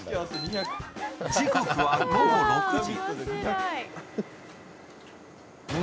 時刻は午後６時。